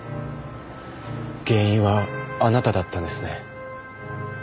原因はあなただったんですね。